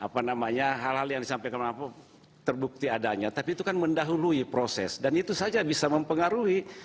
apa namanya hal hal yang disampaikan terbukti adanya tapi itu kan mendahului proses dan itu saja bisa mempengaruhi